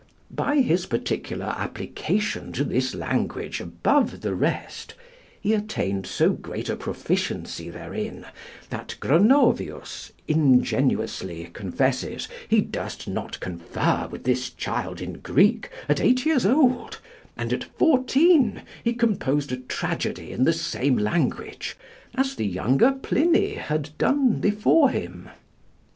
By his particular application to this language above the rest, he attained so great a proficiency therein, that Gronovius ingenuously confesses he durst not confer with this child in Greek at eight years old; and at fourteen he composed a tragedy in the same language, as the younger Pliny had done before him.